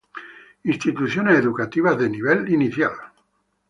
Instituciones Educativas de Nivel Inicial.